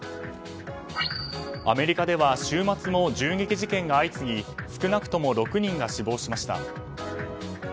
アメリカでは週末も銃撃事件が相次ぎ少なくとも６人が死亡しました。